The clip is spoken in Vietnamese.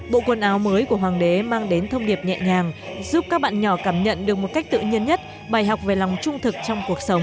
bộ quần áo mới của hoàng đế mang đến thông điệp nhẹ nhàng giúp các bạn nhỏ cảm nhận được một cách tự nhiên nhất bài học về lòng trung thực trong cuộc sống